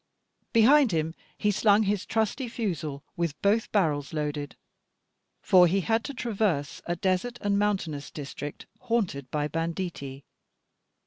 Behind him he slung his trusty fusil, with both barrels loaded, for he had to traverse a desert and mountainous district haunted by banditti.